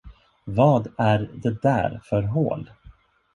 Vad är det där för hål?